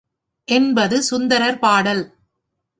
என்பது சுந்தரர் பாடல்.